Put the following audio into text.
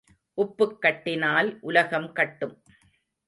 உப்புக் கட்டினால் உலகம் கட்டும்.